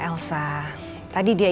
ya udah kita ketemu di sana